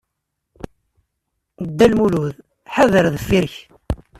Dda Lmulud, ḥader deffir-k!